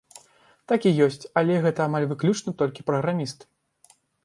Так і ёсць, але гэта амаль выключна толькі праграмісты.